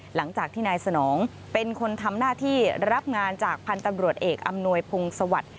หลังจากที่นายสนองเป็นคนทำหน้าที่รับงานจากพันธุ์ตำรวจเอกอำนวยพงศวรรค์